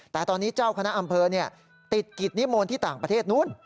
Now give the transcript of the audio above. แต่ตอนนี้เจ้าคณะอำเภอติดกิจนิมนต์ที่ต่างประเทศนู้น